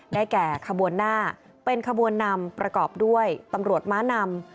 แก่ขบวนหน้าเป็นขบวนนำประกอบด้วยตำรวจม้านำ